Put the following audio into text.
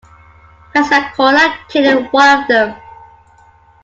"Pensacola", killing one of them.